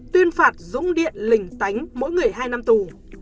tuyên phạt dũng điện lình tánh mỗi người hai năm tù